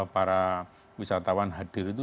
para wisatawan hadir itu